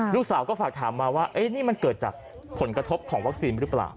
ลูกสาวก็ฝากถามมาว่านี่มันเกิดจากผลกระทบของวัคซีนหรือเปล่า